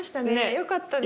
よかったです。